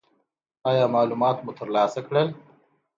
ایا معلومات مو ترلاسه کړل؟